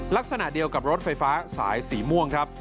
ลักษณะเดียวกับรถไฟฟ้าสายสีม่วงครับ